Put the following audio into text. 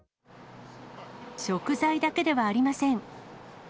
食材だけではありません。